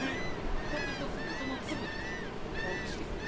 一つ一つの音の粒を意識する。